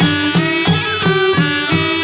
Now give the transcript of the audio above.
มีชื่อว่าโนราตัวอ่อนครับ